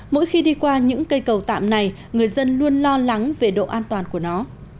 mỗi khi đi qua những cây cầu tạm này người dân luôn lo lắng về độ an toàn của nó